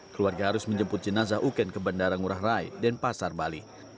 keluarga harus menjemput jenazah uken ke bandara ngurah rai dan pasar bali